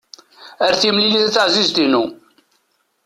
Ar timlilit a taεzizt-inu!